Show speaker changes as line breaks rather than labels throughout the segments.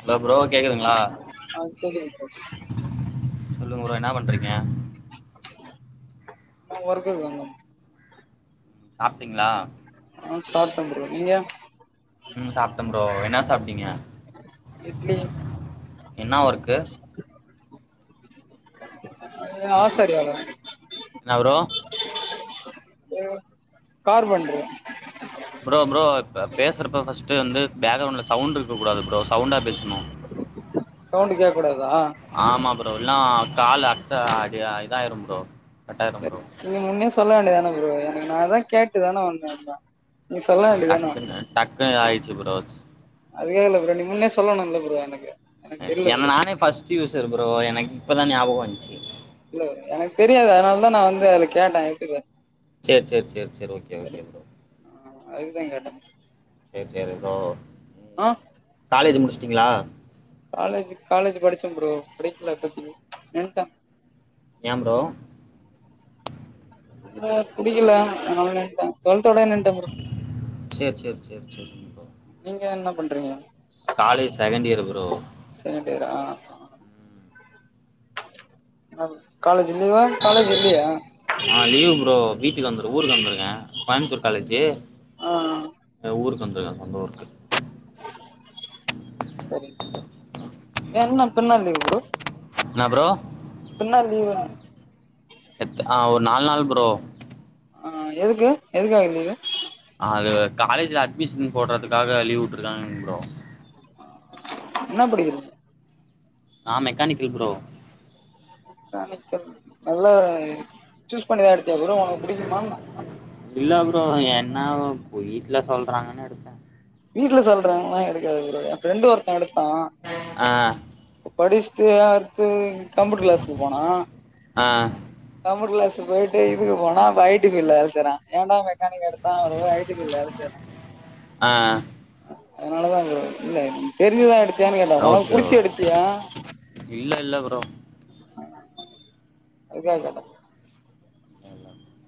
hello bro கேக்குதுங்களா
ஆ கேக்குது ப்ரோ
சொல்லுங்க ப்ரோ என்ன பண்றீங்க
அ ஒருகுக்கு வந்தே
சாப்ட்டீங்களா
ஆ சாப்ட்டேன் ப்ரோ நீங்க
ம் சாப்ட்டேன் ப்ரோ என்ன சாப்ட்டீங்க
இட்லி
என்ன ஒர்க்கு
ஆசாரி வேல
என்ன ப்ரோ
கார்பெண்டர்
ப்ரோ ப்ரோ இப்ப பேசுறப்ப ஃபஸ்ட்டு வந்து பேக்ரவுண்ட்ல சவுண்ட் இருக்க கூடாது ப்ரோ சவுண்டா பேசணு
சவுண்டு கேக்க கூடாதா
ஆமா ப்ரோ இல்லனா கால் அக்ஸ் அ இதாயிரும் ப்ரோ கட்டாயிரும் ப்ரோ
நீங்க முன்னே சொல்ல வேண்டியதானே ப்ரோ எனக்கு நா அதா கேட்டு தானே வந்தே நீ சொல்ல
அ
வேண்டியதான
டக்குனு டக்குனு இதாயிச்சு ப்ரோ
அதுகாக இல்ல ப்ரோ நீங்க முன்னே சொல்லணும்ல ப்ரோ எனக்கு எனக்கு தெரில
என்
ப்ரோ
நானே ஃபஸ்ட்டு யூசர் ப்ரோ எனக்கு இப்பதா ஞாபகம் வந்துச்சு
இல்ல எனக்கு தெரியாது அதுனாலதா நான் வந்து அதுல கேட்டே எப்டி பேச
சேரி சேரி சேரி சேரி ஓகே ஓகே ப்ரோ
ஆ அதுக்கு தா கேட்டே
சேரி சேரி ப்ரோ
ஆ
காலேஜ் முடிச்சுட்டிங்களா
காலேஜ் காலேஜ் படிச்சே ப்ரோ படிக்கல அப்ப தின் நின்னுட்டே
ஏ ப்ரோ
இல்ல புடிக்கல அதுனால நின்னுட்டே டூவெல்த் ஓடயே நின்
சேர் சேர் சேர் சேர்
நீங்க என்ன பண்றீங்க
college second year bro
second இயரா அ காலேஜ் லீவா காலேஜ் இல்லீயா
ஆ லீவு ப்ரோ வீட்டுக்கு வந்துரு ஊர்க்கு வந்தரு கே கோயம்முத்தூர் காலேஜீ
ஆ
அ ஊருக்கு வந்திருக்கே சொந்த ஊருக்கு
செரிங் ப்ரோ ஏ இன்னு எத்தன நாள் லீவு ப்ரோ
என்ன ப்ரோ
இப்ப என்ன லீவுன்ன
எ ஆ ஒரு நாலு நாள் ப்ரோ
ஆ எதுக்கு எதுக்காக லீவு
அது காலேஜ்ல அட்மிஷன் போடுறதுக்காக லீவ் விட்டுருக்காங்க ப்ரோ
ஆ என்ன படிக்கிற
நா மெக்கானிகல் ப்ரோ
மெக்கானிக்கல் நல்லா சூஸ் பண்ணிதா எடுத்தியா ப்ரோ உனக்கு புடிக்குமா
இல்ல ப்ரோ என்னாவு போய் வீட்ல சொல்றாங்கனு எடுத்தே
வீட்ல சொல்றாங்கல்லா எடுக்கல ப்ரோ எ ஃப்ரெண்டு ஒருத்தே எடுத்தா
அ
படிச்சுட்டு அடுத்து கம்யூட்டர் கிளாஸ்க்கு போனா
ஆ
கம்பியூட்டர் க்ளாஸ்க்கு போயிட்டு இதுக்கு போனா இப்ப ஐ டி ஃப்ல்டுல வேல செய்றா ஏன்டா மெக்கானிக் எடு த்தா இப்ப பாரு ஐ டி ஃப்ல்டுல வேல செய்றா
அ
அதனாலதா ப்ரோ இல்ல தெரிஞ்சுதா எடுத்தியான்னு கேட்ட ஒனக்கு
ஓகே ஓ
புடிச்சி எடுத்தியா
இல்ல இல்ல ப்ரோ
அதுக்காக கேட்டே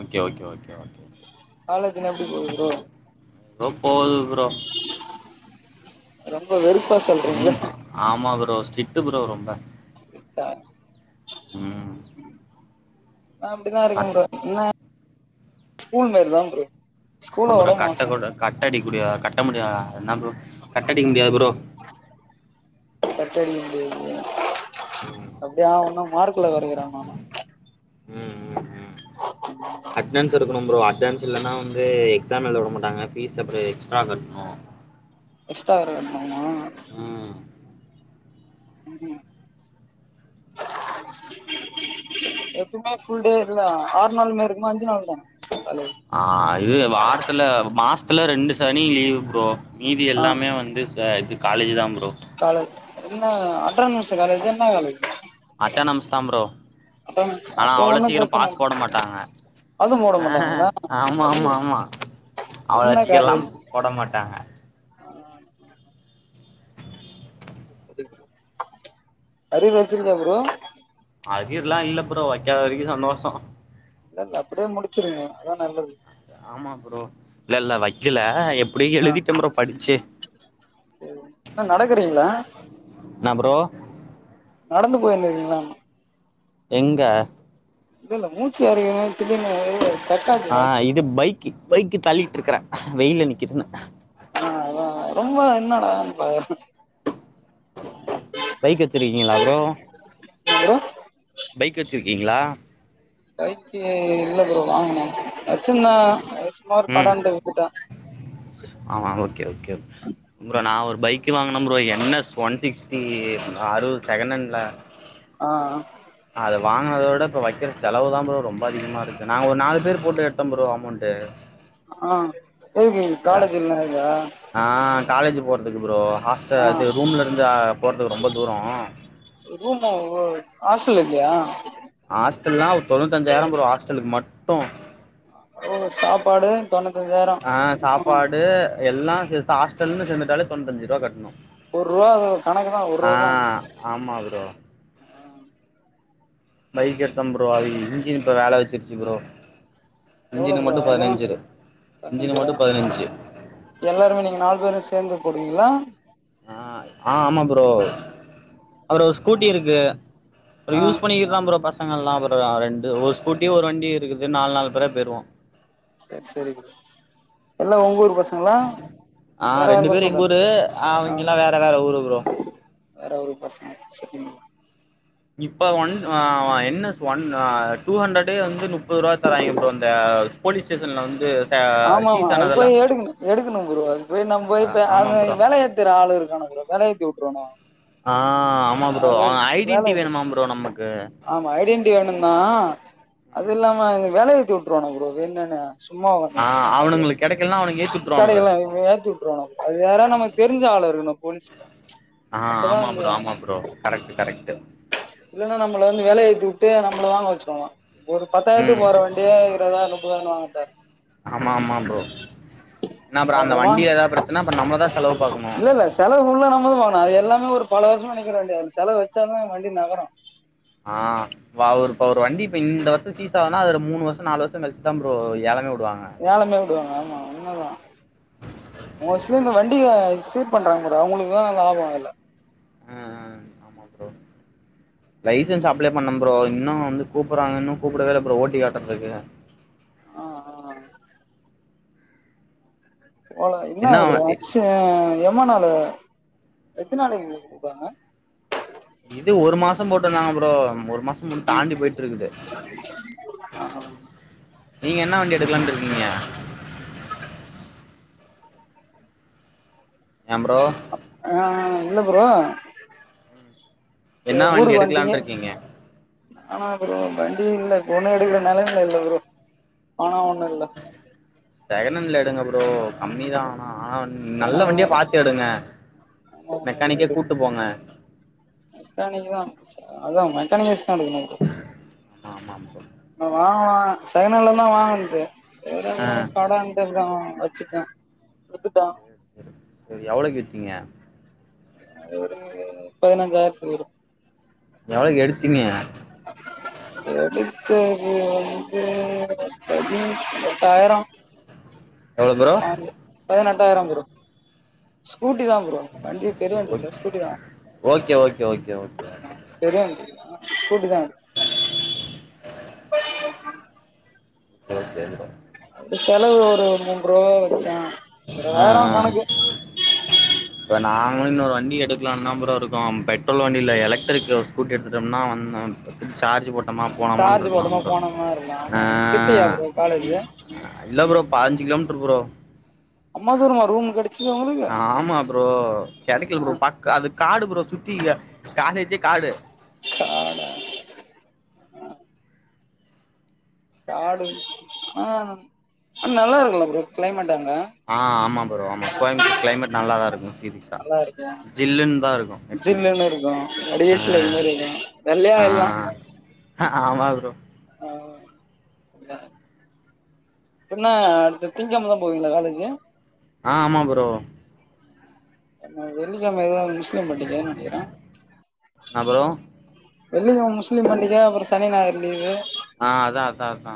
ஓகே ஓகே ஓகே ஓகே
காலேஜ்லா எப்டி போகுது ப்ரோ
எதோ போகுது ப்ரோ
ரொம்ப வெறுப்பா சொல்றீங்ளே
ரொம் ஆமா ப்ரோ ஸ்ட்ரிட்டு ப்ரோ ரொம்ப
ப
ம்
அப்டித்தா இருக்கு
கட்
ப்ரோ இன்ன ஸ்கூல் மாரி தா ப்ரோ ஸ்கூல
ஆ ப்ரோ
விட
கட்ட
மோசோ
கூட கட்ட அடிக்ககூடிய கட்ட முடியாதா என்ன ப்ரோ கட் அடிக்க முடியாது ப்ரோ
கட் அடிக்க முடியாது ப்ரோ
ம்
அப்டியே ஆ ஊ னா மார்க்குல கொறைக்கிறாங்களாமா
ம் ம் ம்
[inaudible]
அட்டன்டென்ஸ்ஸ் இருக்கணு ப்ரோ அட்டன்டென்ஸ் இல்லனா வந்து எக்ஸாம் எழுத விடமாட்டங்க ஃபீஸ் அப்றே எக்ஸ்ட்ரா கட்டணு
எக்ஸ்டா வேற கட்டணுமா
ம்
ம்
[inaudible]
எப்பவுமே ஃபுல் டே இது தானா ஆறு நாள் இருக்கும் அஞ்சு நாள் தான
ஆ இது வாரத்துல மாஸ்த்துல ரெண்டு சனி லீவ் ப்ரோ மீதி
ஆ
எல்லாமே வந்து இது காலேஜ் தான் ப்ரோ
காலேஜ் என்ன அட்டர்னெசு காலேஜ் என்ன காலேஜு
அட்ட நம்ஸ்தான் ப்ரோ ஆனா
அப்ப
அவ்ளோ
ஒன்னும்
சீக்ரோ
பிரச்சனை
பாஸ்
இல்ல
போட மாட்டாங்க
அது போட
அ
மாட்டாங்களா
ஆமா ஆமா
ஐய
ஆமா
அது
அவ்ளோ
என்ன
சீக்கிரம்ல்லாம்
காலேஜ்
போட மாட்டாங்க
அரியர் வச்சிகிர்யா ப்ரோ
அரியர்லாம் இல்ல ப்ரோ வைக்காத வரைக்கு சந்தோசோ
இதல்ல அப்டியே முடிச்சிருங்க அதா நல்லது
ஆமா ப்ரோ இல்ல இல்ல வைக்கல எப் ப்புடி
ஆ
எழுதிட்ட ப்ரோ படிச்சு
சரி என்ன நடக்கறீங்களா
என்ன ப்ரோ
நடந்து போயிருந்தீங்களா
எங்க
இல் இல்ல மூச்சு எழைக்கற [unintelligible]
ஆ இது பைக் பைக்கு தள்ளிட்டு இருக்கறேன் வெயில நிக்குதுனு
ஆ அதா ரொம்ப என்னடா பா
பைக் வச்சிருக்கீங்களா ப்ரோ
ப்ரோ
பைக் வச்சுருக்கீங்களா
பைக்கு இல்ல ப்ரோ வாங்கனும் வச்சிருந்தேன் சுமார் கடண்டு வித்துட்டேன்
ஆ ஓகே ஓகே ப்ரோ நா ஒரு பைக்கு வாங்கினேன் bro N S one sixty அது செகணன்ட்ல
ஆ
அது வாங்னதோட இப்ப வைக்கிற செலவு தான் ப்ரோ ரொம் ரொம்ப அதிகமா இருக்கு நாங்க ஒரு நாலு பேர் போட்டு எடுத்தோம் ப்ரோ அமௌண்ட்டு
ஆ எதுக்கு காலேஜு [unintelligible]
ஆஹ் காலேஜ் போறதுக்கு ப்ரோ ஹாஸ்டல்
ஆ
அது ரூம்ல இருந்து போற்துக்கு ரொம்ப தூரோம்
ரூம்பா ஓ ஹாஸ்டல்லக்கிருயா
ஹாஸ்டல்ல்லாம் தொண்ணூத்திஞ்சாயிரம் ப்ரோ ஹாஸ்டலுக்கு மட்டும்
ஓ சாப்பாடு தொண்ணூத்தஞ்சாயிரம் ம்
எல்லாம் சேத்து ஹாஸ்டல்னு சேந்துட்டாலே தொண்ணூத்தஞ்சுருவா கட்ணும்
ஒர்ருபா கணக்கு தான் ஒர்ருபா
ஆமா ப்ரோ பைக் எடுத்தோம் ப்ரோ அது இன்ஜின் இப்போ வேல வச்சருச்சு ப்ரோ
எவ்ளோ
இன்ஜினு
ப்ரோ
மட்டும்
ஆகு
பதினஞ்சு இன்ஜினு
பதினஞ்சு ரூவா
மட்டும் பதினஞ்சு
எல்லாருமே நீங்க நாலு பேரும் சேந்து போடுவீங்ளா
அ ஆ ஆமா ப்ரோ அப்ரோ ஸ்கூடிருக்கு அது
ஆ
யூஸ் பண்ணிக்கலாம் ப்ரோ பசங்கலெல்லாரு ரெண்டு ஒரு ஸ்கூட்டி ஒரு வண்டி இருக்குது நாலு நாலு பேர்யருவோம்
ச்செரி செரி எல்லாம் ஒங்கரூ பச
ஆ ரெண்டு பேரு எங்க ஊரு
ஆ
அவங்க எல்லாம் வேற வேற ஊரு ப்ரோ
வேற ஊரு பசங்க செட்டில்
இப்ப ஒன் அ என் எஸ் ஒன் அ டூ ஹண்ட்ரடே வந் முப்பது ரூபாயா தறாய்ங்க ப்ரோ அந்த போலீஸ் ஸ்டேஷன்ல வந்து ச
ஆமாமா
சீஸ்
அது
ஆனதெல்லா
போயி எடுகணு எடுகணு ப்ரோ அது போய் நா போயி
ஆ
இப்ப
ஆமா
அது
ப்ரோ
வேலயத் இத்தர ஆலுக இருக்கனு புரோ வெலயேத்தி உட்ருவாணுவோ
ஆ ஆமாம் ப்ரோ அவ ஐடின்ட்டி வேணுமா ப்ரோ நமக்கு
வேணும்னா அது இல்லாம வெலயேத்தி உட்ருவாணுவ ப்ரோ வேண்ணணு சும்மா
ஆ அவனுங்களுக்கு கெடைக்கலனா அவனுங்க ஏத்தி வுட்ருவானுங்க
கடைகல்லா ஏத்தி உட் ப்ரோ அது யாரா நமக் தெரிஞ்ச ஆளு இருகணு போலீஸ்ல
ஆ
அப்பதா
ஆமா ப்ரோ ஆமா ப்ரோ கரெக்ட் கரெக்ட்
இல்லனா நம்மள வந்து வெல ஏத்தி உட்டு நம்ள வாங்க வச்சிருவாகோ ஒரு பத்தாயிரதுக்கு
ம்
போற வண்டிய இருவதாயிர முப்பதாயிரன் வாங்கணு
ஆமா ஆமா ப்ரோ நா அப்றம் அந்த
அதுக்கப்புறமா
வண்டிய எதாது பிரச்சன நம்மள தா செலவு பாக்கனு
இல்ல இல்ல செலவு புல்லா நம் தா பாக்கனு அதெல்லாமே ஒரு பல வருசமா நிக்கிற வண்டி அத செலவுவச்சாதா வண்டி நகரு
ஆ வாவ் ஒரு இப்ப ஒரு வண்டி இப்ப இந்த வர்சோ சீஸ் ஆனா அதுல மூணு வர்ஷம் நாலு வர்ஷம் கழிச்சிதா ப்ரோ ஏலமே உடுவாங்க
ஏலமே உடுவாங்க ஆமா உண்ம தா மோஸ்லி இந்த வண் டிகே சீர் பண்றாங்க பாரு அவுங்ளுக்கு தா லாபோ அதல
ம் ம் ம் புரோ லைசன்ஸ் அப்ளை பண்ண ப்ரோ இன்னு வந்து கூப்பர்றாங்க இன்னு கூப்டவே இல்ல ப்ரோ ஓட்டி காட்றதுகு
ஆ ஆ ஒல இன்னா
என்ன
ஒரு அச்சி எம்மா நாளு எத்னாலு இத குடுபாங்க
இது ஒரு மாசோ போட்டுதிருந்தாங்க ப்ரோ ஒரு மாஸ் முன் தாண்டி போயிட்ருக்குது நீங்க என்னா வண்டி எடுக்கலான்டிருகீங்க
[inaudible] [inaudible]
ஏ ப்ரோ
ஆஆஇல்ல ப்ரோ ஏ
என்ன வண்டி
ஊருக்கு வன்டீங்க
எடுக்கலான்னு இருக்கீங்க
ஆனா ப்ரோ வண்டியு இல்ல ஃபோனு எடுக்கற நிலமைல இல்ல ப்ரோ ஆனா ஒண்ணு இல்ல
செகண்லண்ல எடுங்க ப்றோ கம்மி தா ஆனா ஆனா வன் நல்ல
அதனாலதா
வண்டியா பாத்து எடுங்க மெக்கானிக்க கூட்டு போங்க
மெக்கானிக் தா அதா மெக்கானிக் வஸ்தா எடுக்கனு
ஆமா ப்ரோ
வாங்லா செகனல்ல தா வாங்கன்து சேரி
ஆ
அப்ரம் கடண்டிருகாங்க வச்சிட்ட ஆ
செரி எவ்ளோக்கு வித்திங்க
அது ஒரு பதினஞ்சாயிறதுக்கு வரும்
எவ்ளோகு எடுத்தினி
எடுத்தது வந்து பதி எட்டாயிரோ
எவ்வளோ ப்ரோ
பதினெட்டாயிரம் புரோ ஸ்கூட்டி தா bro
okay okay okay okay
பெரிய வண்டி இல்ல ஸ்கூட்டி தா எடுத்த
ஓ சே
இந்த செலவு ஒரு மூண்றுவா வச்சா
ஆ ஆ இப்ப நாங்களு இன்னொறு வண்டி எடுக்கலான்தா ப்ரோ இருக்கோ பெட்ரோல் வண்டி இல்ல எலக்ட்ரிக்கு ஸ்கூட்டி எடுத்துட்டோம்னா ஒன்னு சார்ஜ் போட் டோமா
சார்ஜ்
போனமான்ருக்கலா
போட்டோமா
ப்ரோ
போனோமா இருக்கலாம் ஆமா கிட்டயா
ஆ
ப்ரோ காலேஜ்
இல்ல ப்ரோ பாஞ்சு கிலோமீட்டர் ப்ரோ
அம்மா தூரமா ரூம் காடி
ஆமா ப்ரோ கெடைக்கல
ஆ,
ப்ரோ பக் அது காடு ப்ரோ சுத்தி காலேஜே காடு
காடா காடு ஆனா ஆனா நல்லா இருக்குல்ல ப்ரோ கிளைமேட் அங்க
ஆ ஆமா பரோ ஆமா கோயம்புத்தர் கிளைமேட் நல்லாதா இருக்கு சீரீஸ்
நல்லா இருக்கே
ஜில்லுன் தா இருக்கு
ஜில்லுனு இருக்கு கடைசில இது மாரி இருக்கு வெள்ளையா எல்லா
ஹ ஆமா ப்ரோ
ஆ தா என்னா அடுத்த திங் கெழம தா போவீங்களா காலேஜு
ஆ ஆமா ப்ரோ
என்ன வெள்ளிக்கெழம ஏதா முஸ்லிம் பண்டிகையா நெனைக்குறே
என்ன ப்ரோ
வெள்ளிக்கெழம முஸ்லிம் பண்டிக அப்புறோ சனி ஞாயிறு லீவு
ஆ அதா அதா அதா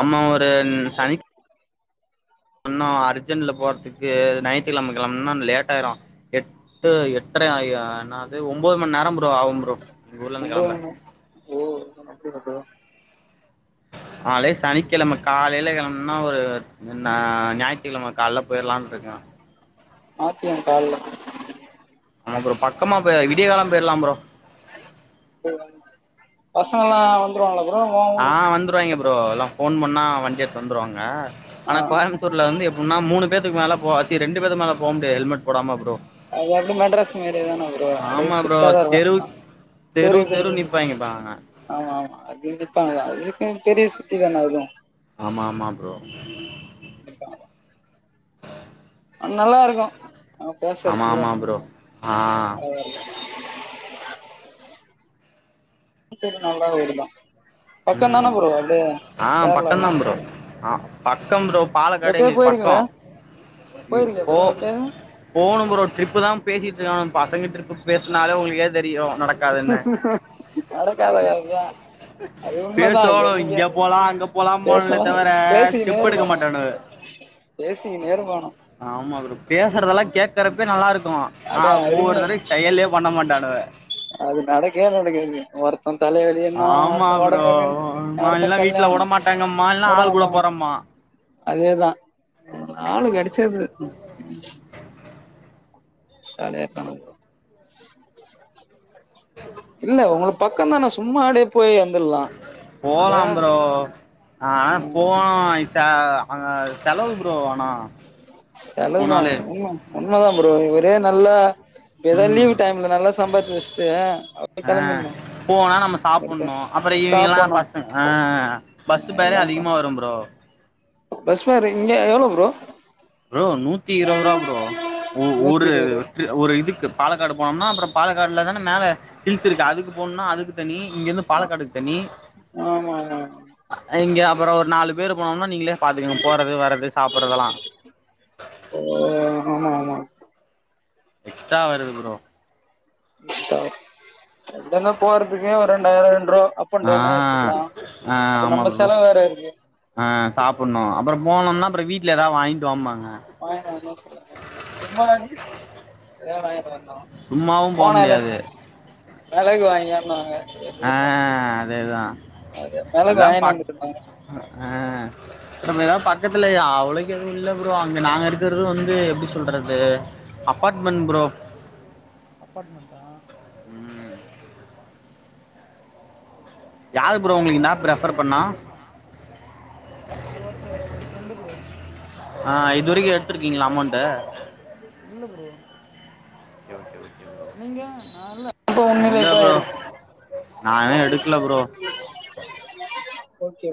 அமா ஒரு சனி இன்னு அர்ஜென்ட்ல போறதுக்கு நைட்டு நம்ம கெளம்புனுனா லேட் ஆயிடு எட் டு எட்ரயா யா என்னாது ஒன்பது மணி நேர ப்ரோ ஆவு ப்ரோ எங்க ஊர்ல இருந்து
ஒம்பது
கிளம்ப
மண் நே ஏ என்ன இப்டிருக்கு
நாளே சனிக்கெழம காலையில கெளபம்னுனா ஒரு என்ன ஞாயித்துக்கெழம கால்ல போயிட்லான்ருக்கே
மாத்திய கால்ல
ஆமா ப்ரோ பக்கமா போய் அ விடிய கால்ல போயிட்லா ப்ரோ
போயிட்லால பசங்கல்லா வந் துருவாங்கள ப்ரோ வா
ஆ வந்துருவாய்ங்க ப்ரோ எல்லா ஃபோன் பண்ணா வண்டி எடுத்து வந்துருவாங்க
ஆ
ஆனா கோயம் தூர்ல வந்து எப்டினா மூணு பேதுக்கு மேலலா போகாதி ரெண்டு பேத்து மேல போ முடியாது ஹெல்மெட் போடாம ப்ரோ
அது அப்டி மெட்ராஸ் மாரிதான ப்ரோ அப்டியே
ஆமா ப்ரோ
ஸ்டிட்டா தா
தெரு
இருக்கு ஆ
தெரு
தெரியுது
தெரு
தெரியுது
நிப்பாய்ங்க பா அங்க
ஆமா ஆமா அது நிப்பாங்க அதுக்கு பெரிய சிட்டி தானே அதுவு
ஆமா ஆமா ப்ரோ
[unintelligible] நல்லா இருக்கு அங்க
ஆமா
பேசறக்கு
ஆமா ப்ரோ ஆ
நல்லா இருக்கு [unintelligible] நல்லா வருதா
ம் ஆ பக்கந்தா
கேரளாலா
ப்ரோ ஆ பக்க ப்ரோ பாலகாடு
எப்பயோ
எங்களுக் பக்கோ
போயிருக்கீங்களா
ம்
போயிருக்கியா
போ
ப்ரோ எப்பயாவது
போகனு ப்ரோ ட்ரிப்பு தா பேசிட்ருகாங்க பசங்க ட்ரிப்பு பேசுனாலே உங்களுக்கே தெரியு நடக்
நடக்காத கததா
பேசுவானுங்க இங்க போலா அங்க போலாம்ப்பானுங்க்லே
பேசலா
தவர ஸ்டெப் எடுக்க மாட்டானுங்க
பேசிகுனே இருப்பானு
ஆமா ப்ரோ பேசறதெல்லா கேக்கறப்ப நல்லா இருக்கு ஆனா
அட அருமையா
ஒவ்வொருதரவையு
இருக்கு
செயல்லே பண்ண மாட்டானுவ
அது நடக்கே நடக்காது வொர் ம் தலைவலினா
ஆமா
அடுத்து
ப்ரோ
ஒடம்புவலி
அம்மா
அடுத்த
எல்லா வீட்ல உட
கல்யாணோ
மாட்டாங்கம்மா எல்லா
கூட
ஆள்
வந்தவங்
போறம்மா
அதேதா நாலு கெடச்சது கால்லே காணோ ப்ரோ இல்ல உங்ளு பக்கந்தான சும்மா அடே போயி வந்துர்லா
போலாம்
நம்ப
ப்ரோ ஆ போனா அய்சா ஆ செலவு ப்ரோ ஆனா
செலவுதா
போனாலே
உண்ம உண்மதா ப்ரோ ஒரே நாள்ள எதாது லீவ்
ம்
டைம்ல நல்லா சம்பாச்சி வெஷ்டு அப்டே
ஆ
கெளம்பிண்ணு
போனா நாம சாப்புண்ணு அப்றோ ஈவினிங்லா பஸ்சு ஆ பஸ்சு பேரே
எல்லா
அதிகமா
பண்ணு
வரும் ப்ரோ
பஸ் ஃபேர் இங்கே எவ்ளோ ப்ரோ
ப்ரோ நூத்திஇரவரூவா ப்ரோ ஒ ஒரு
நூத்தி இருவது
இது ஒரு இதுக்கு பாலக்காடு போனோம்னா அப்றோ பாலக்காட்ல தா மேல ஹில்ஸ் இருக்கு அதுக்கு போணுனா அதுக்கு தனி இங்கேருந்து பாலக்காட்டுக் தனி
ஆமா ஆமா
இங்கே அப்றோ நாலு பேரு போனோனா நீங்ளே பாத்துகங் போறது வர்றது சாப்புற்றதெல்லா
ஓ ஆமா ஆமா
எக்ஸ்ட்ரா வருது ப்ரோ
எக்ஸ்ட்ரா எங்கனா போறதுக்கே ரெண்டாயிர ரெண்ரூவா அப்
ஆ
அப்அண்டவுனா வச்சுக்லா
ஆ
அப்ப
ஆமா
நம்ம
ப்ரோ
செலவு வேற இருக்கு
ஆ சாப்புண்ணு அப்றோ போனோம்னா அப்றோ வீட்ல எதா வாங்கிட்டு வாம்பாங்க
வாங்கிட்டு வந்தோன் சொல்லுங்க சும்மனாட்சிக்கி எதாவது வாங்கின்வந்தோ
சும்மாவும் போ முடியாது
மெளகு வாங்யான்னாங்க
ஆ
[unintelligible]
அதேதா
அது மெளகு
அதா
வாங்கின்
பாக்
வந்து குடுப்பாங்க
ஆ அப்றம் ஏதா பக்கத்துலயா அவளக்கு எதும் இல்ல ப்ரோ அங்க நாங்க இருக்கறது வந்து எப்டி சொல்றது அப்பாட்மென் ப்ரோ
அப்பாட்மெண்ட்டா
ம் யாரு ப்ரோ உங்ளுக் இன் ஆப் ரெஃபர் பண்ணா
அது ஒருத்தர் ஒரு ஃப்ரெண்டு ப்ரோ
ஆ இதுவரிக்கி எத்துருக்கீங்களா அமௌண்ட்டு
இல்ல bro
okay okay okay bro
நீங்க ந இப்ப [unintelligible] [unintelligible]
நா இன்னு எடுக்கல ப்ரோ
ஓகே